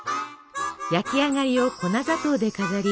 焼き上がりを粉砂糖で飾り